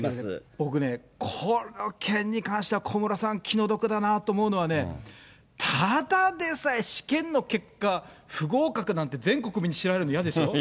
僕ね、この件に関しては、小室さん、気の毒だなと思うのは、ただでさえ試験の結果、不合格なんて全国に知られるのやでしょ。